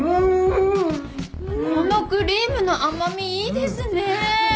このクリームの甘味いいですね。